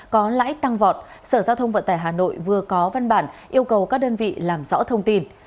có lãi tăng vọt sở giao thông vận tải hà nội vừa có văn bản yêu cầu các đơn vị làm rõ thông tin